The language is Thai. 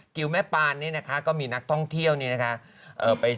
กิวแม่ปานเนี่ยนะคะก็มีนักท่องเที่ยวเนี่ยนะคะ